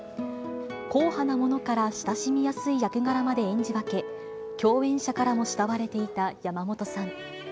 硬派なものから親しみやすい役柄まで演じ分け、共演者からもしたわれていた山本さん。